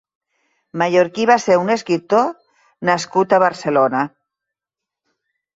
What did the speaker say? Mallorquí va ser un escriptor nascut a Barcelona.